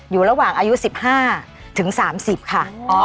อยู่ระหว่างอายุ๑๕ถึง๓๐ค่ะ